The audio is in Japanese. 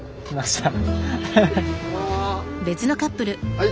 はい！